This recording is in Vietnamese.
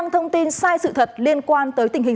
thông tin sai sự thật liên quan tới tình hình